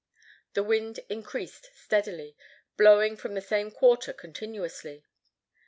The wind increased steadily, blowing from the same quarter continuously.